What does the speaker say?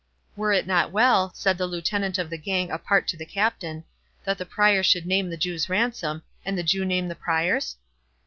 "Were it not well," said the Lieutenant of the gang apart to the Captain, "that the Prior should name the Jew's ransom, and the Jew name the Prior's?"